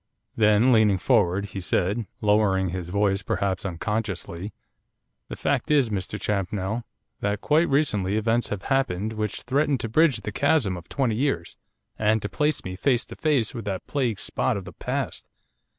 Then, leaning forward, he said, lowering his voice perhaps unconsciously, 'The fact is, Mr Champnell, that quite recently events have happened which threaten to bridge the chasm of twenty years, and to place me face to face with that plague spot of the past.